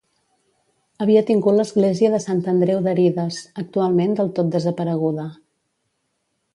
Havia tingut l'església de Sant Andreu d'Arides, actualment del tot desapareguda.